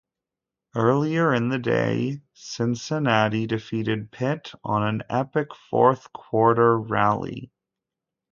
Earlier in the day, Cincinnati defeated Pitt on an epic fourth-quarter rally.